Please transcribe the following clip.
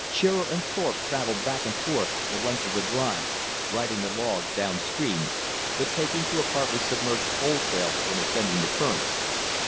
Shearer and Thorpe traveled back and forth the length of the drive, riding the logs down stream, but taking to a partly submerged pole trail when ascending the current.